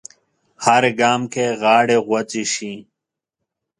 هر ګام کې غاړې غوڅې شي